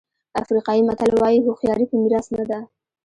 افریقایي متل وایي هوښیاري په میراث نه ده.